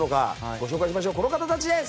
ご紹介しましょうこの方たちです！